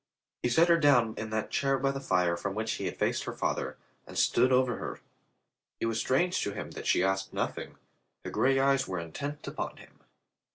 He set her down in that chair by the fire from which ho had faced her father and stood over her. It was strange to him that she asked nothing. Her gray eyes were intent upon him.